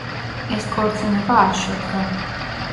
ეს ქორწინება არ შედგა.